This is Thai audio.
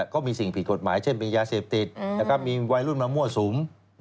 ก็มีสิ่งผิดกฎหมายเช่นมียาเสพติดมีวัยรุ่นมามั่วสุม